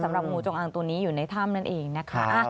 งูจงอางตัวนี้อยู่ในถ้ำนั่นเองนะคะ